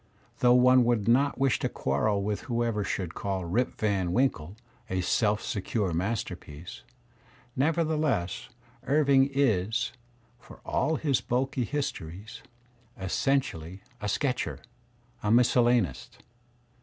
Though one would not wish to quarrel with whoever should call "Rip Van Winkle" a self secure masterpiece, never theless Irving is, for all his bulky histo>ries, essentially a sketcher, a miscellanist.